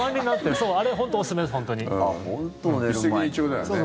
そう、あれ本当におすすめです。